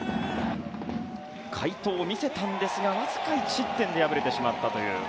快投を見せたんですがわずか１失点で敗れてしまったという。